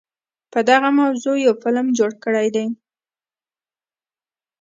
په دغه موضوع يو فلم جوړ کړے دے